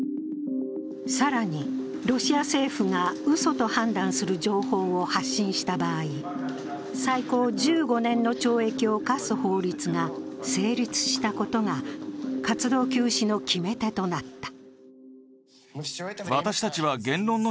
更に、ロシア政府がうそと判断する情報を発信した場合、最高１５年の懲役を科す法律が成立したことが活動休止の決め手となった。